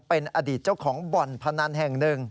เป็นอดีตเจ้าของบ่อนพนันแห่งหนึ่ง